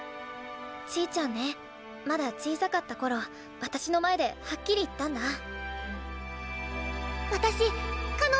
ちぃちゃんねまだ小さかった頃私の前ではっきり言ったんだ。